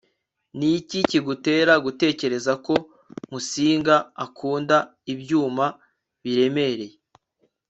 niki kigutera gutekereza ko musinga akunda ibyuma biremereye